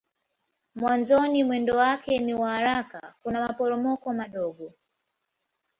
Mwanzoni mwendo wake ni wa haraka kuna maporomoko madogo.